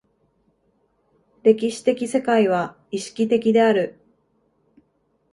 歴史的世界は意識的である。